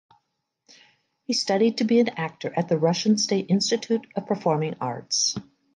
He studied to be an actor at the "Russian State Institute of Performing Arts".